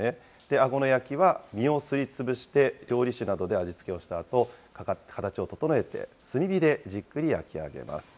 あご野焼きは身をすりつぶして、料理酒などで味付けをしたあと、形を整えて炭火でじっくり焼き上げます。